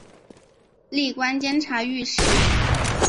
历官监察御史。